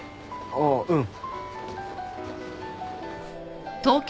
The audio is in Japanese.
ああうん。